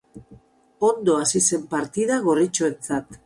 Ondo hasi zen partida gorritxoentzat.